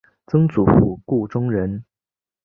曾祖父顾仲仁。